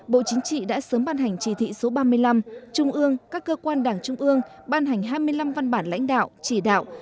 bộ chính trị đã sớm ban hành chỉ thị số ba mươi năm trung ương các cơ quan đảng trung ương ban hành hai mươi năm văn bản lãnh đạo chỉ đạo